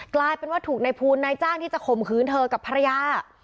กลายเป็นว่าถูกในภูลนายจ้างที่จะข่มขืนเธอกับภรรยา